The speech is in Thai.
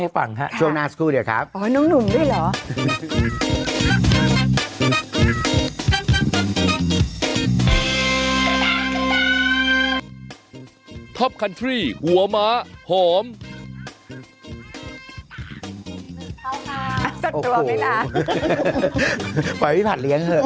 ปล่อยพี่ผัดเลี้ยงก่อน